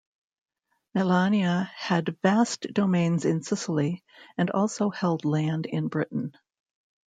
Melania had "vast domains in Sicily" and also held land in Britain.